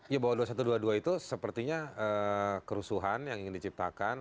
ya bahwa dua ribu satu ratus dua puluh dua itu sepertinya kerusuhan yang ingin diciptakan